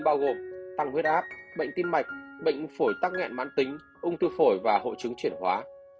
bao gồm tăng huyết áp bệnh tim mạch bệnh phổi tắc nghẹn mãn tính ung thư phổi và hộ trứng triển hóa